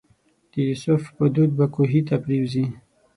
د یوسف په دود به کوهي ته پرېوځي.